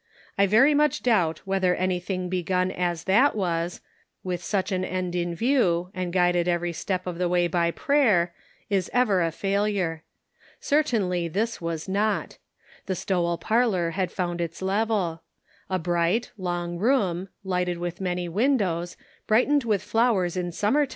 I very much doubt whether anything begun as that was, with such an end in view, and guided every step of the way by prayer, is ever a failure. Certainly this was not. The S to well parlor had found its level. A long, bright room, lighted with many windows, brightened with flowers in summer The Ends Meet.